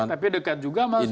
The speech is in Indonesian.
tapi dekat juga dengan suri pawo